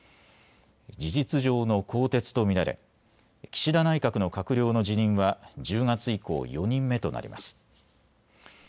事実上の更迭と見られ岸田内閣の閣僚の辞任は１０月以降、４人目となります。